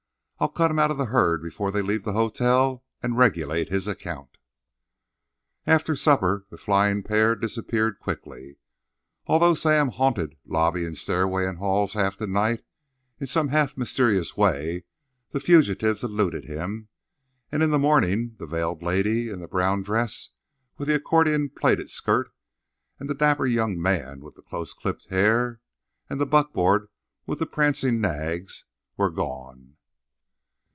I'll cut him out of the herd before they leave the hotel, and regulate his account!" After supper the flying pair disappeared quickly. Although Sam haunted lobby and stairway and halls half the night, in some mysterious way the fugitives eluded him; and in the morning the veiled lady in the brown dress with the accordion plaited skirt and the dapper young man with the close clipped hair, and the buckboard with the prancing nags, were gone.